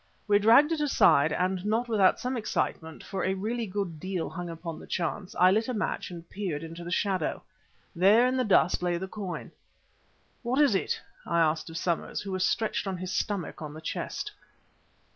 We dragged it aside and not without some excitement, for really a good deal hung upon the chance, I lit a match and peered into the shadow. There in the dust lay the coin. "What is it?" I asked of Somers, who was stretched on his stomach on the chest.